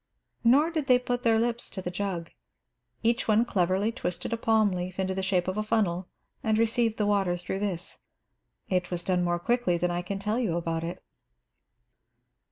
Nor did they put their lips to the jug. Each one cleverly twisted a palm leaf into the shape of a funnel and received the water through this. It was done more quickly than I can tell you about it.